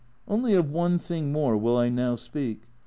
Only of one thing more will I now speak.